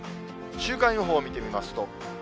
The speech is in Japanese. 週間予報を見てみます。